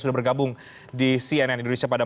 sudah bergabung di cnn indonesia pada